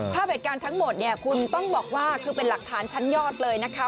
ภาพเหตุการณ์ทั้งหมดเนี่ยคุณต้องบอกว่าคือเป็นหลักฐานชั้นยอดเลยนะคะ